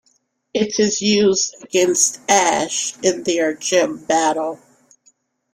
It is used against Ash in their gym battle.